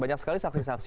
banyak sekali saksi saksi